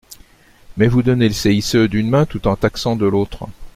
Mais vous donnez le CICE d’une main tout en taxant de l’autre.